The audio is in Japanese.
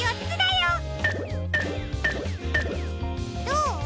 どう？